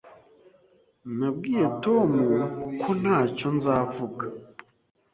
Nabwiye Tom ko ntacyo nzavuga.